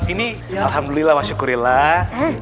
ini alhamdulillah wa syukurillah